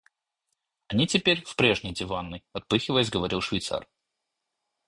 Они теперь в прежней диванной, — отпыхиваясь говорил швейцар.